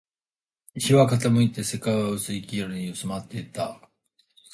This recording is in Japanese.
日は傾いて、世界は薄い黄色に染まっていた